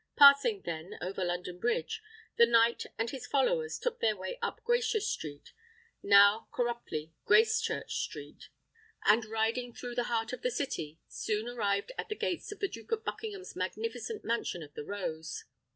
Passing, then, over London Bridge, the knight and his followers took their way up Gracious Street (now corruptly Gracechurch Street), and riding through the heart of the city, soon arrived at the gates of the Duke of Buckingham's magnificent mansion of the Rose.